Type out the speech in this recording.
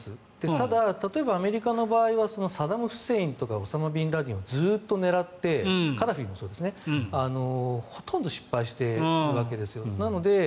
ただ、例えばアメリカの場合はサダム・フセインとかオサマ・ビンラディンとかずっと狙ってカダフィもそうですねほとんど失敗してるわけです。